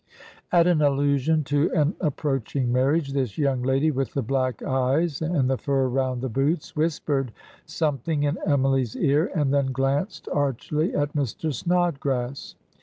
At an allusion to an approaching marriage this " young lady with the black eyes and the fur round the boots whispered something in Emily's ear, and then glanced archly at Mr. Snodgrass."